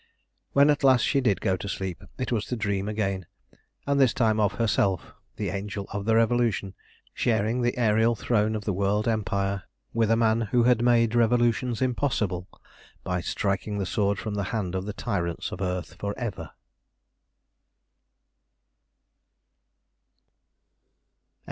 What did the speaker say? When at last she did go to sleep, it was to dream again, and this time of herself, the Angel of the Revolution, sharing the aërial throne of the world empire with the man who had made revolutions impossible by striking the sword from the hand of the tyrants of earth for ever.